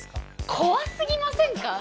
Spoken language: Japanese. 怖すぎませんか？